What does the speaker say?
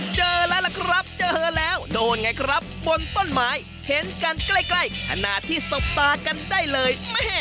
เจอแล้วล่ะครับเจอแล้วโดนไงครับบนต้นไม้เห็นกันใกล้ขนาดที่สบตากันได้เลย